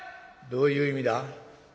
「どういう意味だ？」。